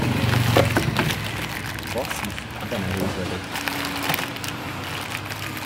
Basszus, de nehéz vagyok.